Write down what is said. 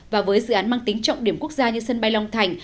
và với dự án mang tính trọng điểm quốc gia như sân bay long thành